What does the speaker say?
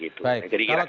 jadi kira kira itulah